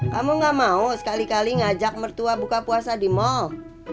kamu gak mau sekali kali ngajak mertua buka puasa di mall